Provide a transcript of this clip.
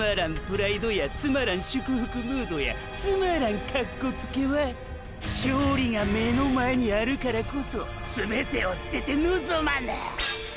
プライドやつまらん祝福ムードやつまらんカッコつけは勝利が目の前にあるからこそ全てを捨ててのぞまな！！